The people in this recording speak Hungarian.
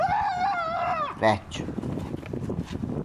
Reccs!